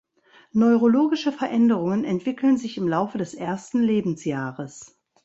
Neurologische Veränderungen entwickeln sich im Laufe des ersten Lebensjahres.